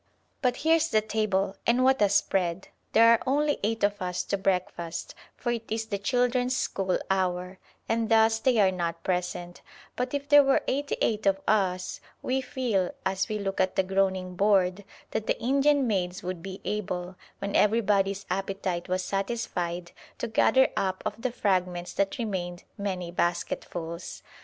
But here's the table, and what a spread! There are only eight of us to breakfast, for it is the children's school hour, and thus they are not present; but if there were eighty eight of us we feel, as we look at the groaning board, that the Indian maids would be able, when everybody's appetite was satisfied, to gather up of the fragments that remained many basketfuls.